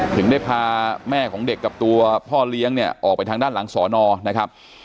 ถึงได้พาแม่ของเด็กกับตัวพ่อเลี้ยงเนี่ยออกไปทางด้านหลังสอนอนะครับ